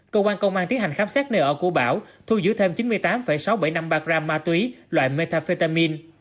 cơ quan công an tiến hành khám xét nơi ở của bảo thu giữ thêm chín mươi tám sáu trăm bảy mươi ba gram ma túy loại metafetamin